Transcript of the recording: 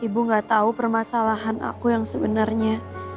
ibu gak tahu permasalahan aku yang sebenarnya